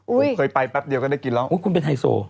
ผมเคยไปแป๊บเดียวก็ได้กินแล้วคุณเป็นไฮโซ